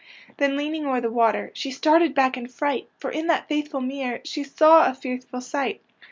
Then leaning o'er the water, She started back in fright; For, in that faithful mirror, She saw a fearful sight.